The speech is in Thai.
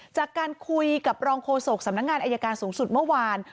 จากการคุยกับรองโฆษกสำนักงานอายการสูงสุดเมื่อวาน